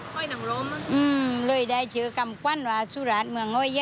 ห้อยหนังรมเหรอคะอืมเลยได้เฉยกับกว้านวาสุรร้านเมืองไอ้เย้ย